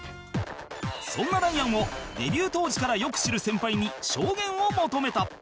そんなダイアンをデビュー当時からよく知る先輩に証言を求めた